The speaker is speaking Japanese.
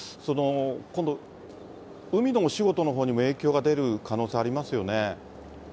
今度、海のお仕事のほうにも影響が出る可能性がありますよね？